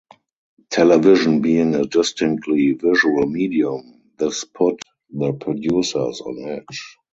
Television being a distinctly visual medium, this put the producers on edge.